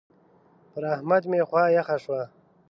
پر احمد مې خوا يخه شوه.